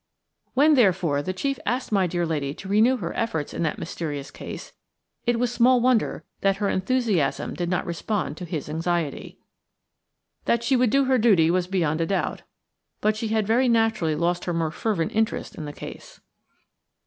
When, therefore, the chief asked my dear lady to renew her efforts in that mysterious case, it was small wonder that her enthusiasm did not respond to his anxiety. That she would do her duty was beyond a doubt, but she had very naturally lost her more fervent interest in the case.